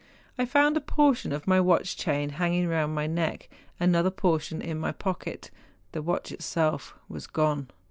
I found a portion of my watch chain hanging round my neck, another portion in my pocket, the watch itself gone.